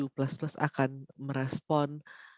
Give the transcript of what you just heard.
pertama terkait bahwa g tujuh akan merespon